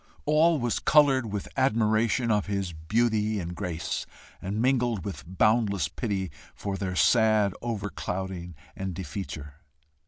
All was coloured with admiration of his beauty and grace, and mingled with boundless pity for their sad overclouding and defeature!